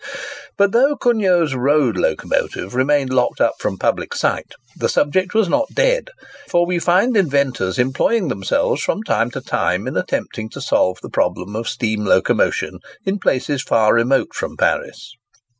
But though Cugnot's road locomotive remained locked up from public sight, the subject was not dead; for we find inventors employing themselves from time to time in attempting to solve the problem of steam locomotion in places far remote from Paris.